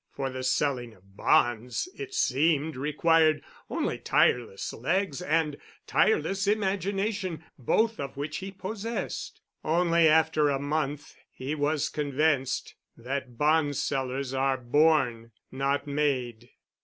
For the selling of bonds, it seemed, required only tireless legs and tireless imagination—both of which he possessed. Only after a month he was convinced that bond sellers are born—not made.